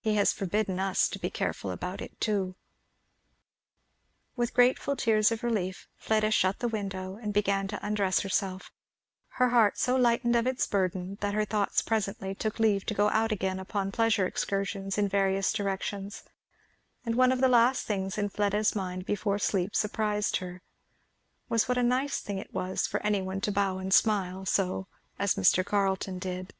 He has forbidden us to be careful about it too." With grateful tears of relief Fleda shut the window and began to undress herself, her heart so lightened of its burden that her thoughts presently took leave to go out again upon pleasure excursions in various directions; and one of the last things in Fleda's mind before sleep surprised her was, what a nice thing it was for any one to bow and smile so as Mr. Carleton did!